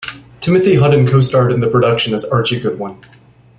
Timothy Hutton costarred in the production as Archie Goodwin.